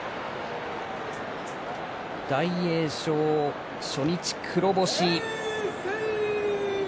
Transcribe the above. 大栄翔、初日黒星。